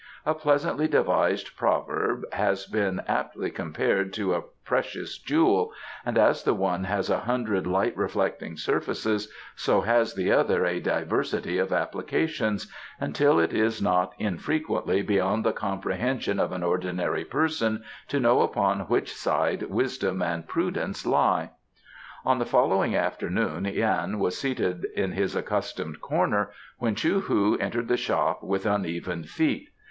A pleasantly devised proverb has been aptly compared to a precious jewel, and as the one has a hundred light reflecting surfaces, so has the other a diversity of applications, until it is not infrequently beyond the comprehension of an ordinary person to know upon which side wisdom and prudence lie. On the following afternoon Yan was seated in his accustomed corner when Chou hu entered the shop with uneven feet.